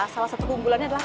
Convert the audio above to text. salah satu keunggulannya adalah